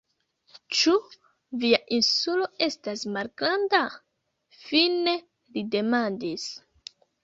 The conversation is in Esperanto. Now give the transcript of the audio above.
Ĉu via Insulo estas malgranda? fine li demandis.